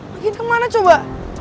lagi kemana coba